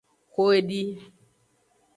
Xo edi.